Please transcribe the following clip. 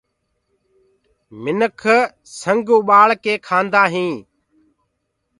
منک سنگ اُڀآݪ ڪي کآندآ هينٚ۔